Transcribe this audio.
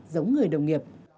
giống người đồng nghiệp